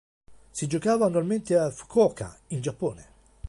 Si giocava annualmente a Fukuoka in Giappone.